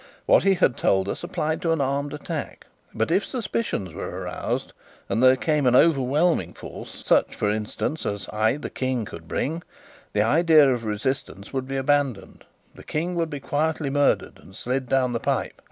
What he had told us applied to an armed attack; but if suspicions were aroused, and there came overwhelming force such, for instance, as I, the King, could bring the idea of resistance would be abandoned; the King would be quietly murdered and slid down the pipe.